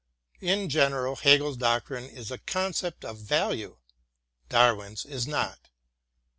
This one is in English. In general, Hegel's doctrine is a concept of value, Darwin's is not.